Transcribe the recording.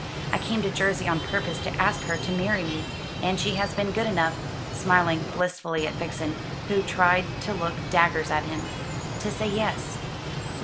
I came to Jersey on purpose to ask her to marry me, and she has been good enough" smiling blissfully at Vixen, who tried to look daggers at him "to say Yes."